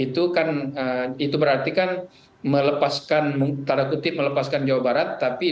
jadi itu yang kita lihat di jawa barat ya